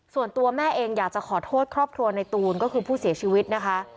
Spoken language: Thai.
ส่วนตัวแม่เองอยากจะขอโทษครอบครัวในตูนก็คือผู้เสียชีวิตนะคะ